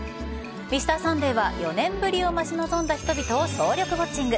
「Ｍｒ．サンデー」は４年ぶりを待ち望んだ人々を総力ウォッチング。